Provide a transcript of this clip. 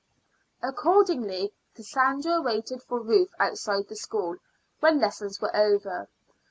Accordingly Cassandra waited for Ruth outside the school when lessons were over.